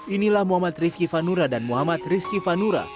inilah muhammad rifki fanura dan muhammad rizki fanura